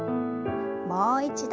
もう一度。